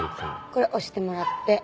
これ押してもらって。